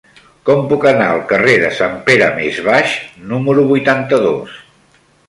Com puc anar al carrer de Sant Pere Més Baix número vuitanta-dos?